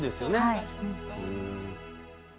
はい。